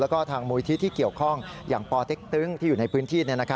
แล้วก็ทางมูลที่ที่เกี่ยวข้องอย่างปเต็กตึงที่อยู่ในพื้นที่